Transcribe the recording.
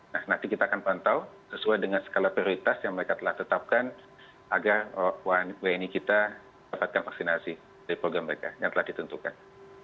nah nanti kita akan pantau sesuai dengan skala prioritas yang mereka telah tetapkan agar wni kita dapatkan vaksinasi dari program mereka yang telah ditentukan